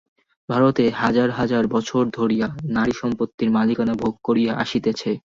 ভারতে হাজার হাজার বৎসর ধরিয়া নারী সম্পত্তির মালিকানা ভোগ করিয়া আসিতেছে।